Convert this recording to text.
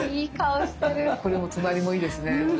これも隣もいいですね。